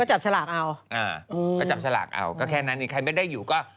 จับฉลากเอาอ่าก็จับฉลากเอาก็แค่นั้นอีกใครไม่ได้อยู่ก็